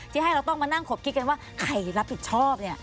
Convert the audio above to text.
ที่ให้เราต้องมานั่งขบคิดกันว่าใครรับผิดชอบเนี่ย